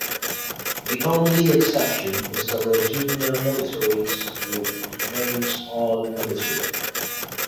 The only exception is the Virginia Military Institute, which remains all-military.